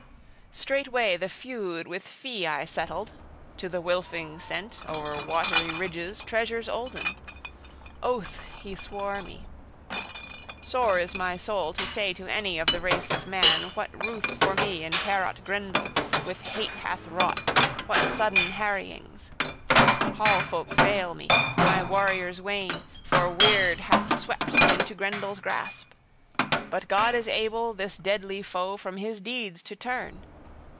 Straightway the feud with fee {7b} I settled, to the Wylfings sent, o'er watery ridges, treasures olden: oaths he {7c} swore me. Sore is my soul to say to any of the race of man what ruth for me in Heorot Grendel with hate hath wrought, what sudden harryings. Hall folk fail me, my warriors wane; for Wyrd hath swept them into Grendel's grasp. But God is able this deadly foe from his deeds to turn!